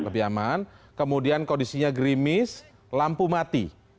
lebih aman kemudian kondisinya grimis lampu mati